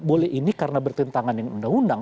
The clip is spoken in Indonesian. boleh ini karena bertentangan dengan undang undang